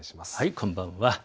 こんばんは。